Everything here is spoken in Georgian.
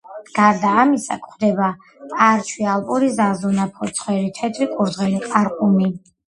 გარდა ამისა გვხვდება: არჩვი, ალპური ზაზუნა, ფოცხვერი, თეთრი კურდღელი, ყარყუმი.